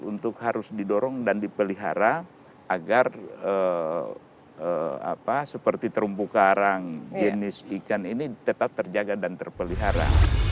untuk harus didorong dan dipelihara agar seperti terumbu karang jenis ikan ini tetap terjaga dan terpelihara